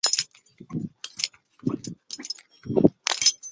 明史上说郭山甫善相人。